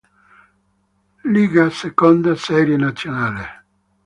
Liga, seconda serie nazionale.